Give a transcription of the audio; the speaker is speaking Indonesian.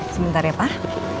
sebentar ya pak